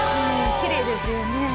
きれいですよね